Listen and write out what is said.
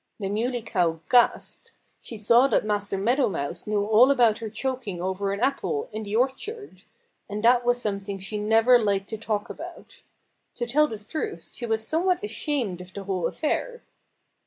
The Muley Cow gasped. She saw that Master Meadow Mouse knew all about her choking over an apple, in the orchard. And that was something she never liked to talk about. To tell the truth, she was somewhat ashamed of the whole affair.